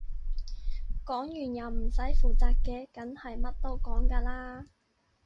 講完又唔使負責嘅梗係乜都講㗎啦